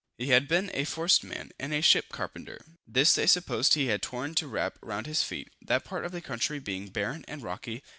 He had been a forced man, and a ship carpenter. This they supposed he had torn to wrap round his feet; that part of the country being barren and rocky.